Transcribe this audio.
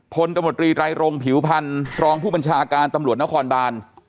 ตมตรีไรรงผิวพันธ์รองผู้บัญชาการตำรวจนครบาน